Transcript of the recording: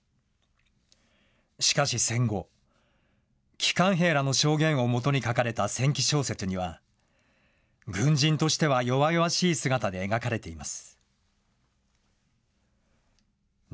しかし戦後、帰還兵らの証言を元に書かれた戦記小説には、軍人としては弱々しい姿で描かれています。